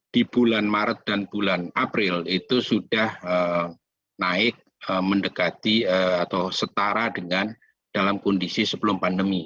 di bulan maret dan bulan april itu sudah naik mendekati atau setara dengan dalam kondisi sebelum pandemi